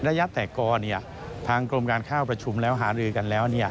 ระยะแต่กล้าทางกรมการข้าวประชุมแล้วหารือกันแล้ว